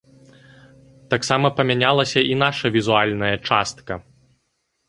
Таксама памянялася і наша візуальная частка.